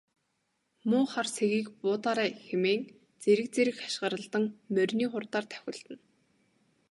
Муу хар сэгийг буудаарай хэмээн зэрэг зэрэг хашхиралдан морины хурдаар давхилдана.